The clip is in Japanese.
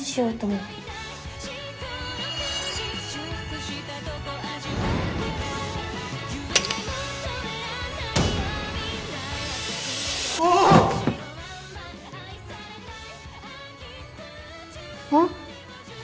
うん？